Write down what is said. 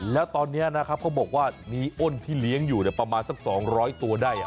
แล้วตอนนี้นะครับเขาบอกว่ามีอ้นที่เลี้ยงอยู่ประมาณสัก๒๐๐ตัวได้